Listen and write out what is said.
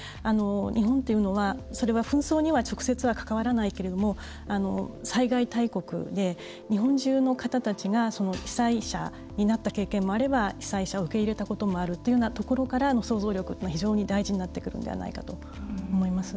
日本というのはそれは紛争には直接は関わらないけれども災害大国で、日本中の方たちがその被災者になった経験もあれば被災者を受け入れたこともあるというようなところから想像力、非常に大事になってくるのではないかと思います。